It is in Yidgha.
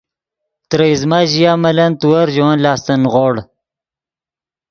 ترے ایزمہ ژیا ملن تیور ژے ون لاستن نیغوڑ